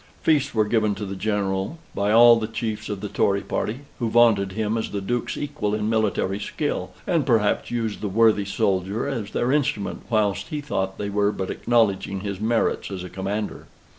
Feasts were given to the General by all the chiefs of the Tory party, who vaunted him as the Duke's equal in military skill; and perhaps used the worthy soldier as their instrument, whilst he thought they were but acknowledging his merits as a commander.